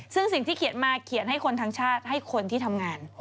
ซึ่งสิ่งที่เขียนมาเขียนให้คนทั้งชาติให้คนที่ทำงาน